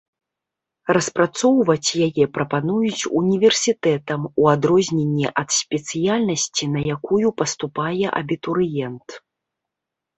Распрацоўваць яе прапануюць універсітэтам, у адрозненні ад спецыяльнасці на якую паступае абітурыент.